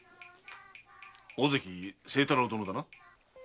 小関清太郎殿だな？